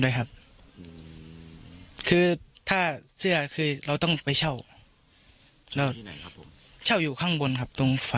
ที่ร้านเขามีให้ไหมครับ